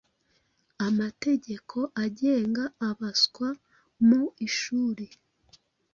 Amategeko Agenga Abaswa mu Ishuri